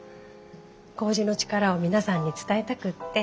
こうじの力を皆さんに伝えたくって